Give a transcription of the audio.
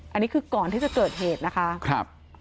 อันนี้คือก่อนที่จะเกิดเหตุนะคะ